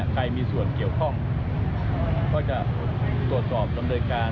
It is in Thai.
ใครมีส่วนเกี่ยวข้องก็จะตรวจสอบดำเนินการ